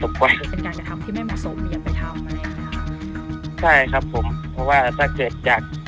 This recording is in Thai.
เป็นการกระทำที่ไม่เหมาะสมอย่างไปทำใช่ครับผมเพราะว่าถ้าเกิดอยาก